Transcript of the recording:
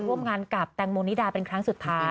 ร่วมงานกับแตงโมนิดาเป็นครั้งสุดท้าย